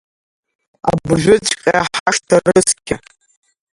Абыржәыҵәҟьа ҳашҭа рыцқьа!